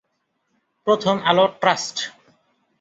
প্রথম আলো ট্রাস্ট